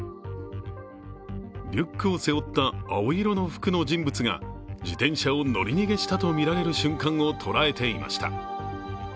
リュックを背負った青色の服の人物が自転車を乗り逃げしたとみられる瞬間を捉えていました。